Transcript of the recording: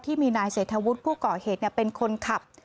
ที่มีนายเศรษฐวุฒิผู้ก่อเหตุเป็นคนขับ